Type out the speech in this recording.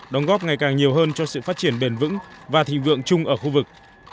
đóng góp ngày càng nhiều hơn cho sự phát triển bền vững và thịnh vượng chung ở khu vực